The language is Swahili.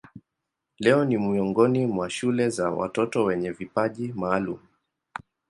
Leo ni miongoni mwa shule za watoto wenye vipaji maalumu.